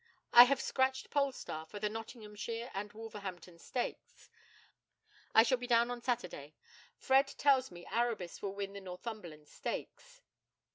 I have scratched Polestar for the Nottinghamshire and Wolverhampton Stakes. I shall be down on Friday or Saturday. Fred. tells me Arabis will win the Northumberland Stakes."